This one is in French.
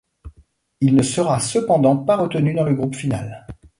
Il ne sera cependant pas retenu dans le groupe final.